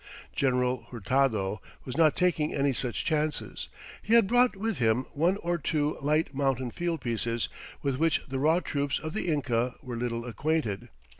General Hurtado was not taking any such chances. He had brought with him one or two light mountain field pieces, with which the raw troops of the Inca were little acquainted.